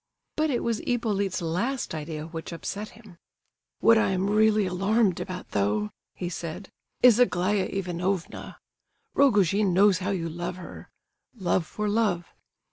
But it was Hippolyte's last idea which upset him. "What I am really alarmed about, though," he said, "is Aglaya Ivanovna. Rogojin knows how you love her. Love for love.